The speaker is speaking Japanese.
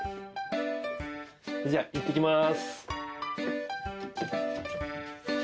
それじゃあいってきます。